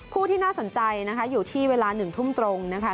ที่น่าสนใจนะคะอยู่ที่เวลา๑ทุ่มตรงนะคะ